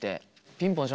ピンポン。